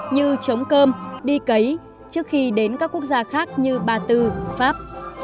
như chống cơm đi cấy trước khi đến các quốc gia khác như ba tư pháp